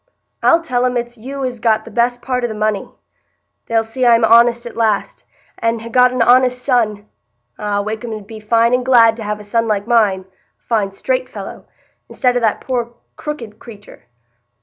I'll tell 'em it's you as got the best part o' the money. They'll see I'm honest at last, and ha' got an honest son. Ah! Wakem 'ud be fine and glad to have a son like mine,—a fine straight fellow,—i'stead o' that poor crooked creatur!